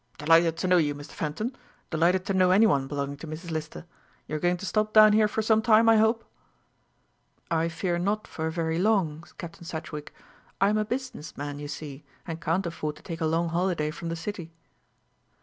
"Delighted to know you, Mr. Fenton; delighted to know any one belonging to Mrs. Lister. You are going to stop down here for some time, I hope." "I fear not for very long, Captain Sedgewick. I am a business man, you see, and can't afford to take a long holiday from the City."